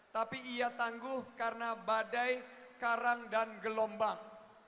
tapi ia tangguh karena badai karang dan gelombang